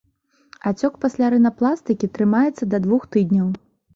Ацёк пасля рынапластыкі трымаецца да двух тыдняў.